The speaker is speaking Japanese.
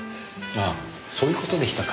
ああそういう事でしたか。